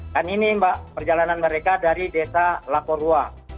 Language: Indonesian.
dan ini perjalanan mereka dari desa laporua